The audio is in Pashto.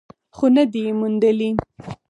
خو نه ده یې موندلې.